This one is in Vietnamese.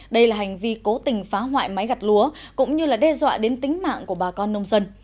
đây là hành vi cố tình phá hoại máy gặt lúa cũng như đe dọa đến tính mạng của bà con nông dân